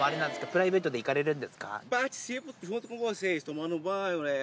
プライベートで行かれるんですか？